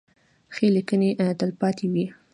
ښې لیکنې تلپاتې وي.